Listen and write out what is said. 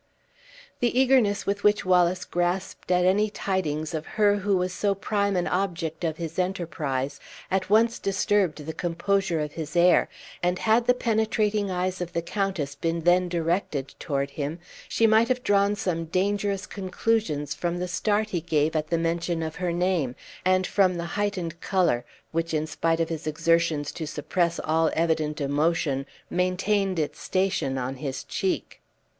The eagerness with which Wallace grasped at any tidings of her who was so prime an object of his enterprise at once disturbed the composure of his air, and had the penetrating eyes of the countess been then directed toward him, she might have drawn some dangerous conclusions from the start he gave at the mention of her name, and from the heightened color which, in spite of his exertions to suppress all evident emotion, maintained its station on his cheek.